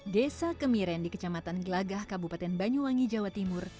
desa kemiren di kecamatan gelagah kabupaten banyuwangi jawa timur